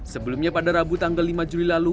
sebelumnya pada rabu tanggal lima juli lalu